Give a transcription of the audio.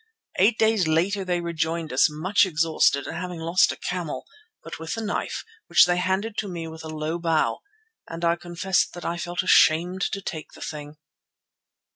Eight days later they rejoined us much exhausted and having lost a camel, but with the knife, which they handed to me with a low bow; and I confess that I felt ashamed to take the thing.